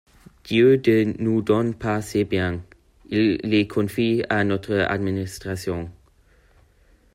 Dieu ne nous donne pas ses biens: il les confie à notre administration.